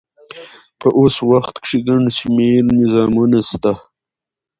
په اوس وخت کښي ګڼ شمېر نظامونه سته.